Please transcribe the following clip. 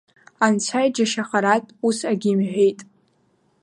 Анцәа иџьашьахартә, ус агьимҳәеит.